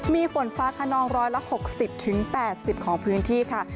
มีฝนฟ้าขนอง๑๖๐๘๐ของพื้นที่ค่ะ